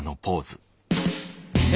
え？